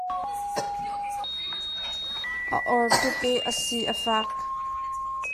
A or tuk i a si a fak.